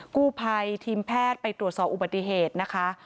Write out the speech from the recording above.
กู้ภัยทีมแพทย์ไปตรวจสอบอุบัติเหตุนะคะ